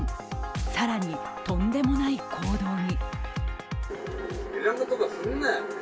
更に、とんでもない行動に。